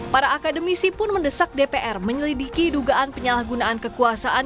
para akademisi pun mendesak dpr menyelidiki dugaan penyalahgunaan kekuasaan